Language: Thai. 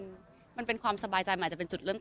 บางทีเค้าแค่อยากดึงเค้าต้องการอะไรจับเราไหล่ลูกหรือยังไง